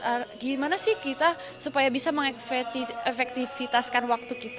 bagaimana sih kita supaya bisa mengefektivitaskan waktu kita